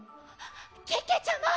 けけちゃま！